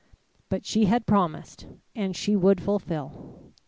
But she had promised, and she would fulfil.